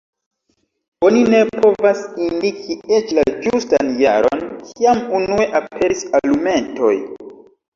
Oni ne povas indiki eĉ la ĝustan jaron, kiam unue aperis alumetoj.